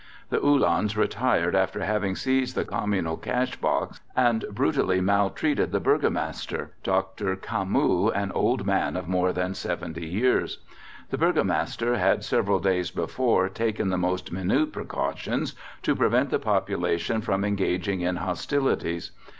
The Uhlans retired after having seized the Communal cash box at Andenne and brutally maltreated the Burgomaster, Dr. Camus, an old man of more than 70 years. The Burgomaster had several days before taken the most minute precautions to prevent the population from engaging in hostilities.